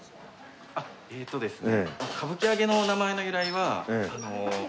あっえーとですね。